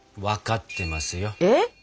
分かってますよ。